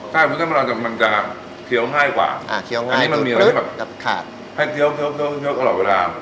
ใช่วุ้นเส้นบ้านเรามันจะเคี้ยวง่ายกว่าอันนี้มันมีอะไรที่แบบให้เคี้ยวอร่อยเวลา